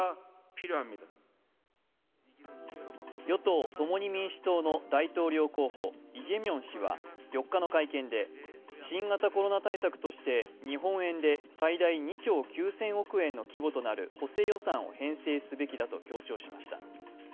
与党・共に民主党の大統領候補、イ・ジェミョン氏は４日の会見で新型コロナ対策として日本円で最大２兆９０００億円の規模となる補正予算を編成すべきだと強調しました。